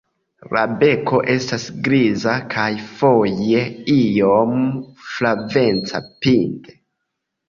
La beko estas griza kaj foje iom flaveca pinte.